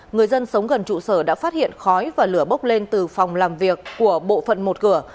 người dân sống gần trụ sở đã phát hiện khói và lửa bốc lên từ phòng làm việc của bộ phận một cửa